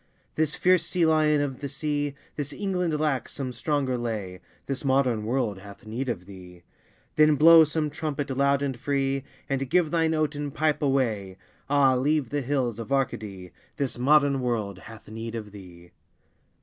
This fierce sea lion of the sea, This England lacks some stronger lay, This modern world hath need of thee! Then blow some trumpet loud and free, And give thine oaten pipe away, Ah, leave the hills of Arcady! This modern world hath need of thee!